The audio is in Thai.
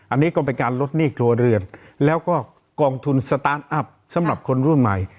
อันนี้ก็เป็นการลดหนี้ครัวเรือนแล้วก็กองทุนสตาร์ทอัพสำหรับคนรุ่นใหม่